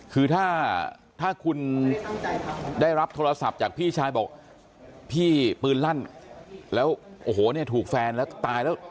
คือถ้าถ้าคุณได้รับโทรศัพท์จากพี่ชายบอกพี่ปืนลั่นแล้วโอ้โหเนี่ยถูกแฟนแล้วตายแล้ว